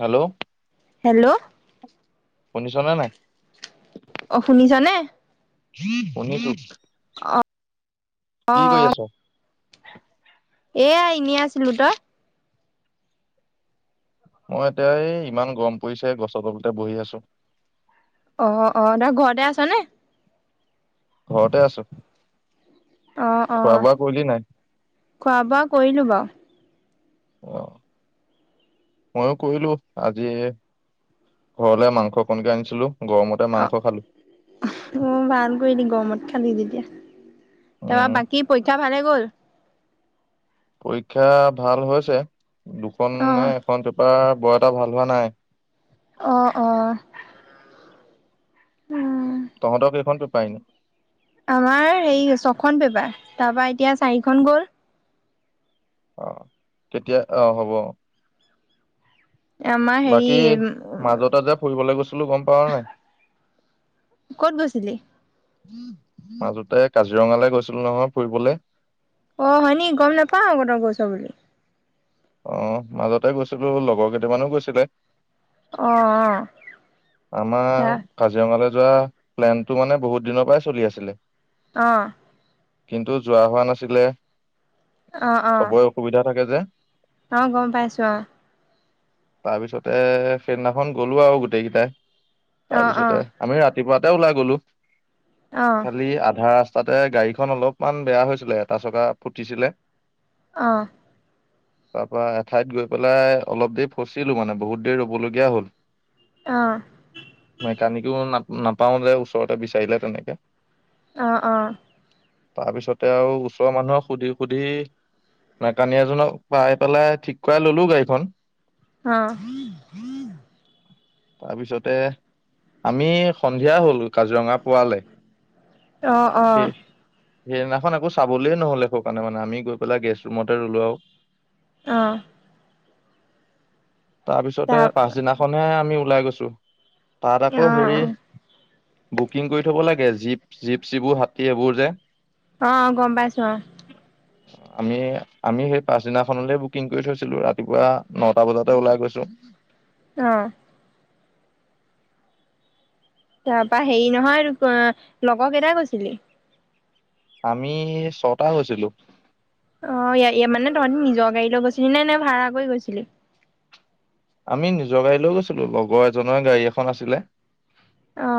Hello hello শনিছ ন নাই অ' শুনিছানে শুনিছো আহ কি কৰি আহ আছ? এয়া এনেই আছিলো তই মই এতিয়া এই ইমান গৰম পৰিছে গছৰ তলতে বহি আছো অ আহ তই ঘৰতে আছ নে ঘৰতে আছোঁ অ অ খোৱা বোৱা কৰিলোঁ বাৱ আহ মইও কৰিলো আজি ঘৰলে মাংস অকন কে আনিছিলো গৰমতে অ মাংস খালো। অহ ভাল কৰি দি গৰমত খালি যেতিয়া তাপা উম, বাকী পৰীক্ষা ভালে গ'ল পৰীক্ষা ভাল হৈছে দুখন অ নে এখন পেপাৰ বৰ এটা ভাল হোৱা নাই। অ অ উম তহঁতক কেইখন পেপাৰ এনে? আমাৰ সেই চ ছখন পেপাৰ তাৰ পৰা এতিয়া চাৰিখন গ'ল অ কেতিয়া আহ হ'ব অ আমাৰ হেৰি বাকী মাজতে যে ফুৰিবলে গৈছিলো গম পাওঁ নে নাই ক'ত গৈছিলি? মাজতে কাজিৰঙালে গৈছিলো নহয় ফুৰিবলে। অ হয়নি গম নেপাওঁ আক তই গৈছ বুলি। অ মাজতে গৈছিলো লগৰ কেইটামানো গৈছিলে। অ অ আমাৰ কাজিৰঙালে যোৱা প্লেনটো মানে বহুত দিনৰ পৰাই চলি আছিলে। অ কিন্তু যোৱা হোৱা নাছিলে। অ অ চবৰে অসুবিধা থাকে যে অ গম পাইছোঁ অ। তাৰ পিছতে সেইদিনাখন গ'লো আৰু গোটেই কেইটাই। অ অ তাৰপিছতে আমি ৰাতিপুৱাতে ওলাই গলো অ অ খালি আধা ৰা ৰাস্তাতে গাড়ীখন অলপমান বেয়া হৈছিলে এটা চকা ফুটিছিলে। অ তাৰ পৰা এঠাইত গৈ পেলাই অলপ দেৰি ফচিলো মানে বহুত দেৰি ৰ'ব লগীয়া হ'ল অ', মেকানিকো না নাপাও যে ওচৰতে বিচাৰিলে তেনেকে। অ অ তাৰ পিছতে আৰু ওচৰৰ মানুহক সুধি সুধি মেকানিক এজনক পাই পেলাই ঠিক কৰাই ললো গাড়ীখন। অ তাৰপিছতে আমি সন্ধিয়া হলো কাজিৰঙা পোৱালে। অ অ সেই সেইদিনাখন আকৌ চাবলে নহলে একো কাৰণে মানে আমি গৈ পেলাই গেষ্ট ৰুমতে লো আৰু। অ তাৰ পিছত পাছদিনাখনে আমি ওলাই গৈছো। ছ তাত আকৌ হেৰি অ', বুকিং কৰি থব লাগে জীপ জিপ চিবোৰ হাতী এইবোৰ যে অ', গম পাইছো অ', আমি আমি সেই পাছদিনাখনলৈ বুকিং কৰি থৈছিলো ৰাতিপুৱা নটা বজাতে ওলাই গৈছো আহ তাৰপা হেৰি নহয় আৰু লগৰ কেইটাই গৈছিলি আমি ছটা হৈছিলো অ মানে তহঁতি নিজৰ গাড়ী লৈ গৈছিলি নে নে ভাড়া কৰি গৈছিলি আমি নিজৰ গাড়ী লৈ গৈছিলো লগৰ এজনৰ গাড়ী এখন আছিলে অ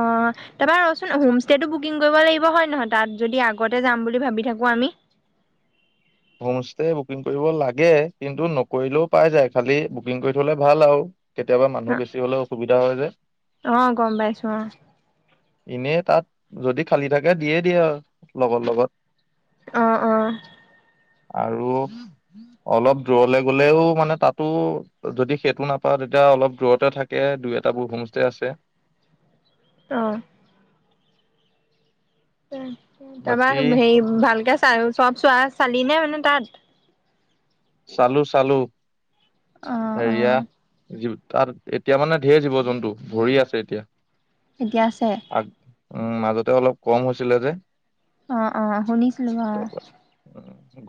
তাৰপৰা ৰচোন হোম ষ্টেটো বুকিং কৰিব লাগিব হয় নহয় তাত যদি আগতে যাম বুলি ভাবি থাকো আমি হোম ষ্টে বুকিং কৰিব লাগে কিন্তু নকৰিলেও পাই যায় খালি বুকিং কৰি থলে ভাল আৰু কেতিয়াবা মানুহ বেছি হলেও অসুবিধা হয় যোয় অ', গম পাইছো অ', এনেই তাত যদি খালী থাকে দিয়ে দিয়ে আৰু লগৰ লগত অ অ আৰু অলপ দূৰলে গলেও মানে তাতো যদি সেইটো নাপাওঁ তেতিয়া অলপ দূৰতে থাকে দুই এট বোৰ হোমষ্টে আছে আহ তাৰপা বাকী হেৰি ভালকে চ চব চোৱা চালি নে মানে তাত চালো চালো অ', অ', হেৰিয়া তাত এতিয়া মানে ঢেৰ জীৱ জন্তু ভৰি আছে এতিয়া এতিয়া আছে আগ উম মাজতে অলপ কম হৈছিলে যে আহ অ শুনি চিলো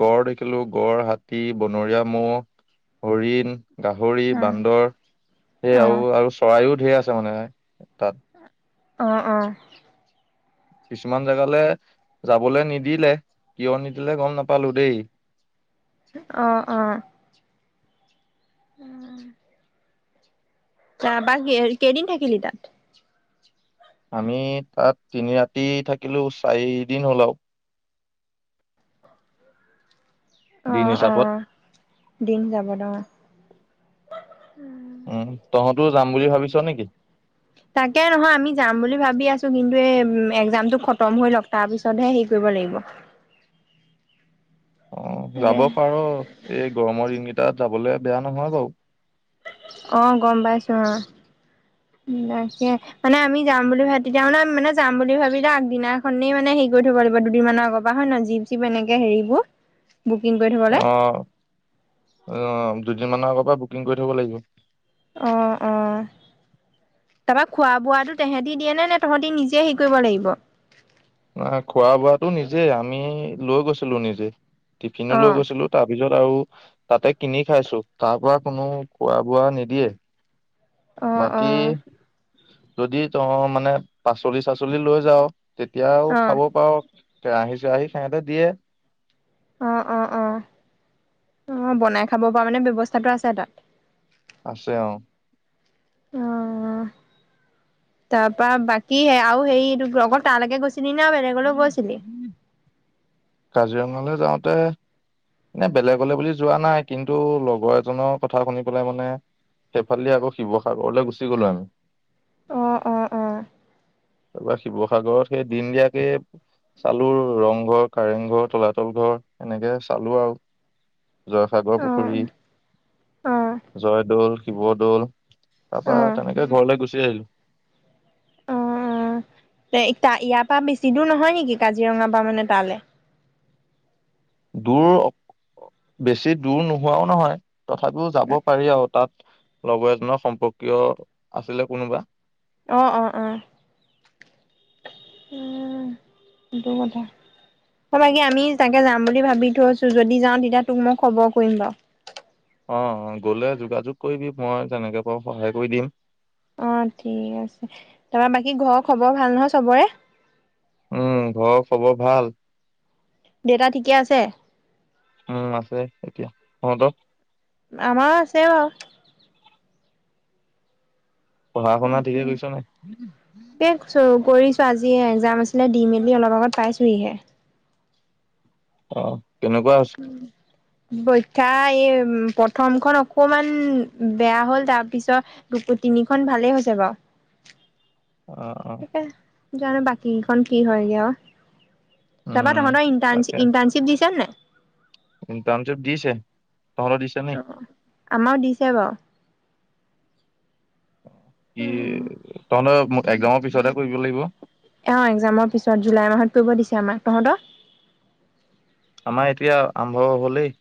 গড় দেখিলো গড় হাতী বনৰীয়া ম' হৰিণ গাহৰি অ', অ', বান্দৰ সেয়া অ', আৰু আৰু চৰাইও ধে আছে মানে এ ত আহ অ কিছুমান জেগালৈ যাবলৈ নিদিলে কিয় নিদিলে গম নাপালো দেই আহ আহ উম যোৱাবাৰ কেইদিন থাকিলি তাত? আমি তাত তিনি ৰাতি থাকিলো চাৰিদিন হল আৰু। দিন অ', অ হিচাপত ', দিন যাব দ, উম, ' উম', তহঁতও যাম বুলি ভাবিছ নেকি? তাকে নহয় আমি যাম বুলি ভাবি আছো, কিন্তু এই এক্জামটো খতম হৈ লওক তাৰ পিছতহে হেৰি কৰিব লাগিব। অ', তাকে যাব পাৰ এই গৰমৰ দিনকেই, তাত যাবলৈ বেয়া নহয় বাৰু। অহ', গম পাইছো উম্ তাকে মানে আমি যাম বুলি ভাব তেতিয়া মানে- মানে যাম বুলি ভাবিলে আগদিনাখনেই মানে হেৰি কৰি থব লাগিব দুদিনমানৰ আগৰ পৰা হয় নে নহয় জীপ- চিপ এনেকে হেৰিবোৰ, বুকিং কৰি থ'বলে অ -অ দুদিন মানৰ আগত, বা বুকিং কৰি থব লাগিব। অ ', অ ', তাৰপৰা খোৱা বোৱাটো তেহঁতি দিয়ে নে -নে তহঁতি নিজে হেৰি কৰিব লাগিব? ন খোৱা বোৱাটো নিজেই, আমি লৈ গৈছিলো নিজে। টিফিনো অ', লৈ অ', গৈছিলো, তাৰপিছত আৰু তাতে কিনি খাইছো, তাৰ পৰা কোনো খোৱা বোৱা নিদিয়ে। বাকী অ', যদি তহ মানে পাচলি চাচলি লৈ যাওঁ। তেতিয়াওঁ খাব অ', পাৰু। আহি- আহি সহতে দিয়ে। অহ', - অহ', - অহ', - অহ', বনাই খাব পৰা মানে ব্যৱস্থাটো আছে এটা। আছে অহ ',। অ' তাৰ পৰা বাকী আও সেইটো অকল তালৈকে গৈছ। কাজিৰঙালৈ যাওঁতে এনে বেলেগলৈ বুলি যোৱা নাই কিন্তু লগৰ এজনৰ কথা শুনি মানে সেইফালে আকৌ শিৱসাগৰলৈ গুচি গলো আমি। অ' অ' অ' তাৰপ শিৱসাগৰত সেই দিন দিয়াকে চালোঁ ৰংঘৰ, কাৰেংঘৰ, তলাতল ঘৰ এনেকে। চালোঁ আৰু জয়সাগৰ পুখুৰী, অ', অ', অ', জয়দৌল, শিৱদৌল তাৰ পৰা তেনেকে ঘৰলৈ গুচি আহিলো। পা বেছি দূৰ নহয় নেকি, কাজিৰঙা পৰা মানে তালে? দূৰ, বেছি দূৰ নোহোৱা নহয়। তথাপিও যাব পাৰি আৰু তাত। লগৰ এজনৰ সম্পৰ্কীয় আছিলে কোনোবা। অ' অ' অ', সেইটো কথা, বাকী আমি তাতে যাম বুলি ভাবি থৈছো যদি যাওঁ তেতিয়া তোক মই খবৰ কৰিম বাৰু। অ' গলে যোগাযোগ কৰিবি, মই যেনেক পাৰোঁ সহায় কৰি দিম। অ' ঠিক আছে তাৰ বাকী ঘৰৰ খবৰ ভাল নহয় চবৰে? উম ঘৰ খবৰ ভাল। দেউতা ঠিকে আঁছে? উম ', আছে এতিয়া, তহঁতৰ? আমাৰ আছে বাৰু। পঢ়া- শুনা তাকে। ঠিকে কৰিছ নাই? কৰিছোঁ আজিহে এক্সাম আছিলে, দি মেলি অলপ আগত পাইছোহিহে। অ', কেনেকুৱা হৈছে? পৰীক্ষা এই, উম প্ৰথমখন অকমান বেয়া হ'ল অ' অ' তাকে জানো বাকীকিখন কি হয়গে আৱ তাপা উম তহঁতৰ ইণ্টাৰ্শ্বিপ ইণ্টাৰ্শ্বিপ দিছে নে নাই? কিন্ত টাৰম চব দিছে [unintelligible] দিছে নি? অ' আমাৰ দিছে বাৰু। কি তহঁতৰ একজামৰ পিছতহে কৰিব লাগিব। অ ', এক্জামৰ পিছত জুলাই মাহত কৰিব দিছে আমাক, তহঁতক? আমাৰ এতিয়া আৰম্ভ হলেই।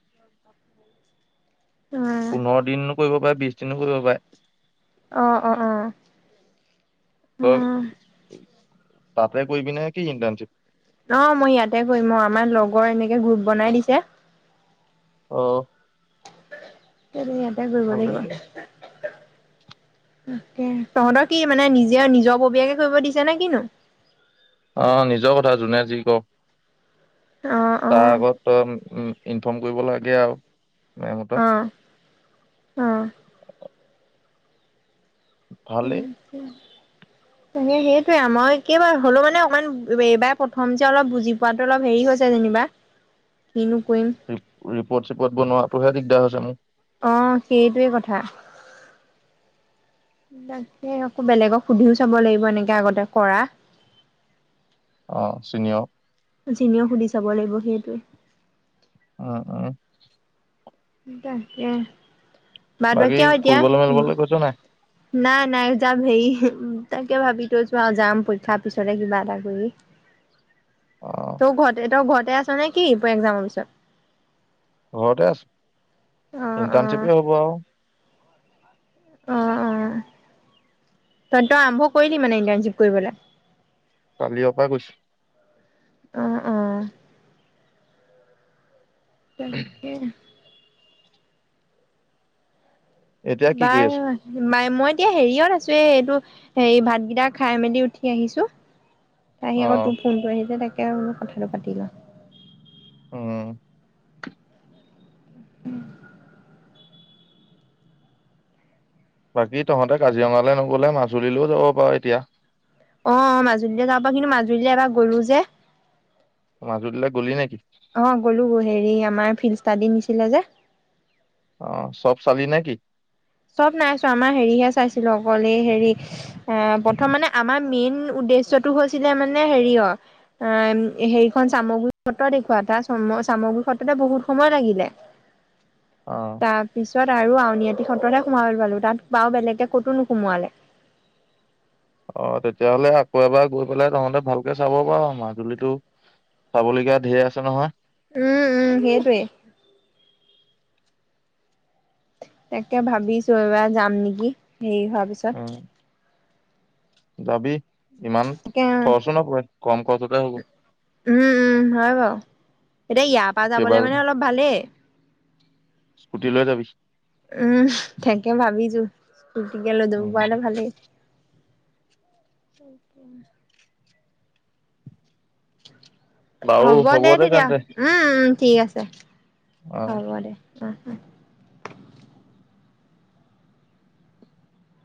অ পোন্ধৰ- দিন কৰিব পাৰ, বিছ দিনো কৰিব পায়, অহ - অহ - অহ - অঁহ তাৰ পৰাই কৰিবি নেকি ইন্তাৰ্ণশিপ? অ', মই ইয়াতে কৰিম। আমাৰ লগৰ এনেকে গ্ৰুপ বনাই দিছে। অহ, তেৰিয়া, কৰিব ভালে লাগিব। দে তাকে, তহঁতৰ কি মানে নিজে নিজৰ ববীয়াকে কৰিব দিছে নে কিনো? অ', নিজৰ কথা যোনে যি ক', অ অ তাৰ আগত তই, উম ', ইনফৰ্ম কৰিব লাগে, আৰু মেমহঁতক আহ -আহ ভালেই উম', - হুম ', মানে সেইটোয়ে আৰু মই কেইবাৰ হ'লোও মানে অকমান এইবাৰ প্ৰথম যে, অলপ বুজি পোৱাটো অলপ হেৰি হৈছে যেনিবা, কিনো কৰিম ৰিপৰ্ট- চিপৰ্ট বনোৱাটোহে দিগদাৰ হৈ, জানো। অহ ', সেইটোৱে কথা। তাকে আকৌ বেলেগক সুধিও চাব লাগিব এনেকে আগতে কৰা অ চীনিঅৰ যিনও সুধি চাব লাগিব সেইটোোৱে অ উ এ ত আহ বাকী ফুৰিবলৈ মেলিব কৈছ নাই নাই নাই যাম হেৰি তাকে ভাবি তই চোৱা যাম পৰীক্ষাৰ পিছতে কিবা এটা কৰি অ ত ঘটে ত ঘট ততে আছ নে কি ব এক্জামৰ পিছত ঘতে আছো অ', ইণ্টাৰনশিপ অ', হ'ব অ অ ত তই আৰম্ভ কৰিলি মানে ইণ্টাৰ্ণশ্বিপ কৰিবলৈ কালি পৰা কৈছো অ উ তাকে এতিয়া কি কৰি বাৰ আছো ম মই এতিয়া হেৰিয়ত আছো এ এইটো হেৰি ভাতগেইটা খাই মেলি উঠি আহিছো ত আহি অ আকৌ তোৰ ফোনটো আহিছে তাকে কে মই কথাটো পাতি লওঁ অ উম বাকী তহঁতে কাজিৰঙালৈ নগলে মাজুলীলৈও যাব পাৰ এতিয়া অ মাজুলীলৈ যা পা কিন্তু মাজুলীলৈ এবাৰ গলো যে অ মাজুলীলৈ গ'লি নেকি গলো হেৰি আমাৰ ফ ত দি নিছিলে যে অ চব চালি নে কিি চব নাই চো আমাৰ হেৰিহে চাইছিলো অকলে হেৰি এ প্ৰথম মানে আমাৰ মেইন উদ্দেশ্যয়টো হৈছিলে মানে হেৰিয়ৰ আহ হেৰিখন চামগ্ৰী সত্ৰ দেখুওৱা এটা চামগ্ৰী সত্ৰতে বহুত সময় লাগিলে অ তাৰ পিছত আৰু আউনীআটি স্ৰদায় সোমল পালো তাত বাও বেলেগে ক'তো নোসোমোৱালে অ তেতিয়াহ'লে আকৌ এবাৰ গৈ পেলাই তহঁতে ভালকে চাব পাৰ মাজুলীতটো চাবলগীয়া ধঢেৰ আছে নহয় উম উম হেইি তাকে ভাবিছো এইবাৰ যাম নেকি হেৰি হোৱাৰ উম পিছত যাবি ইমান তাকে খৰচো নপৰে কম কৰছতে হ'ব উম উম হয় বাৰু এতিয়া ইয়াৰ পৰাা কেইবা যাবলৈ মানে অলপ ভালেই স্কুটি লৈ যাবি উম সেকে ভাবিছো ৰুটি গেলত দিব উম পৰা হলে ভালে তপ টোক টোক হ'ব দে তেতিয়া উম উম ঠিক আছে অ হ'ব দে অ অহ